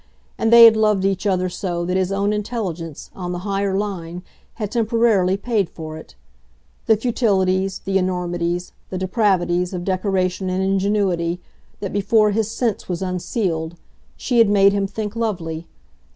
And they had loved each other so that his own intelligence, on the higher line, had temporarily paid for it. The futilities, the enormities, the depravities, of decoration and ingenuity, that, before his sense was unsealed, she had made him think lovely!